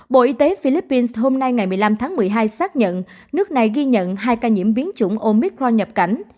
bộ y tế philippines hôm nay ngày một mươi năm tháng một mươi hai xác nhận nước này ghi nhận hai ca nhiễm biến chủng omic rong nhập cảnh